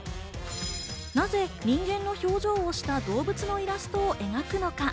なぜ人間の表情をした動物のイラストを描くのか？